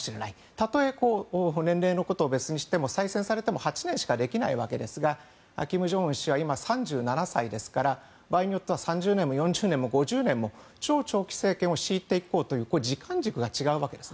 たとえ、年齢のことを別にしても再選されても８年しかできないわけですが金正恩さんは３７歳なわけですから場合によっては３０年も４０年も５０年も超長期政権を敷いていこうという時間軸が違うわけです。